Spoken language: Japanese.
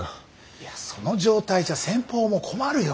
いやその状態じゃ先方も困るよ。